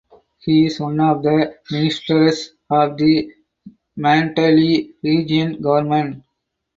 He is one of the ministers of the Mandalay Region Government.